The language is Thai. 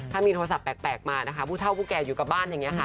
ถ้ามีโทรศัพท์แปลกพูดเช่าพูดแก่อยู่กับบ้าน